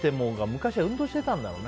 昔は運動してたんだろうね。